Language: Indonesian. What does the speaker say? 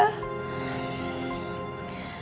harus berubah bu